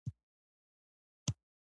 ډاکټر عبدالله اوږده وینا وکړه.